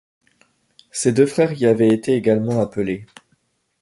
Ses deux frères y avaient été également appelés.